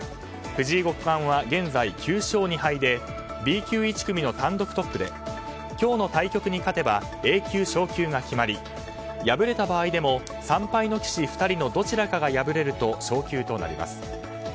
藤井五冠は現在、９勝２敗でＢ級１組の単独トップで今日の対局に勝てばＡ級昇級が決まり敗れた場合でも３敗の棋士２人のどちらかが敗れると昇級となります。